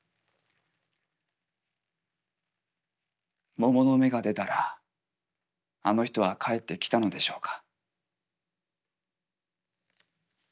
桃の芽が出たらあの人は帰ってきたのでしょうか？